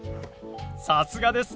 さすがです。